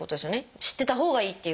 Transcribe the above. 知ってたほうがいいっていう。